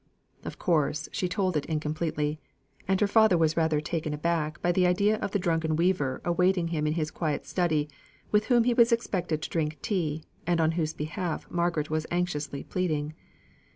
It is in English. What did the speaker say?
Of course, she told it incompletely; and her father was rather "taken aback" by the idea of the drunken weaver awaiting him in his quiet study, with whom he was expected to drink tea, and on whose behalf Margaret was anxiously pleading.